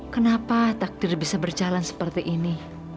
kenapa takdir bisa berjalan seperti ini